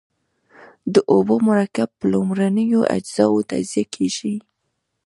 د اوبو مرکب په لومړنیو اجزاوو تجزیه کیږي.